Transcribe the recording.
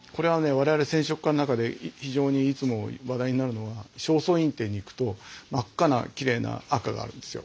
我々染色家の中で非常にいつも話題になるのは正倉院展に行くと真っ赤なきれいな赤があるんですよ。